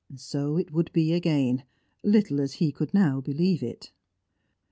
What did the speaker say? So it would be again, little as he could now believe it.